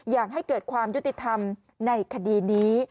อยากให้เกิดความยุติธรรมในคดีนี้